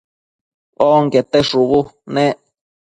onquete shubu nec